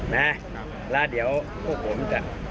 นะแล้วเดี๋ยวพวกผมจะ